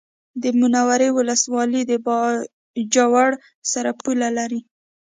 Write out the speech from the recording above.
د منورې ولسوالي د باجوړ سره پوله لري